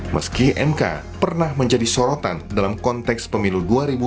meski mk pernah menjadi sorotan dalam konteks pemilu dua ribu sembilan belas